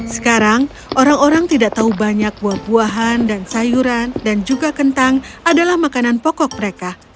sekarang orang orang tidak tahu banyak buah buahan dan sayuran dan juga kentang adalah makanan pokok mereka